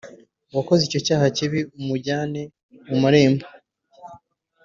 Wakoze icyo cyaha kibi umujyane mu marembo